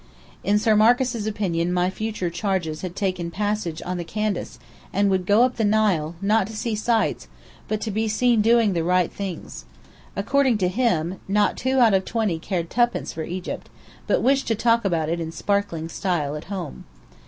In Sir Marcus' opinion my future charges had taken passage on the Candace, and would go up the Nile, not to see sights, but to be seen doing the right things. According to him not two out of twenty cared tuppence for Egypt, but wished to talk about it in sparkling style at home.